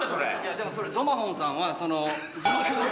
でもそれゾマホンさんはその。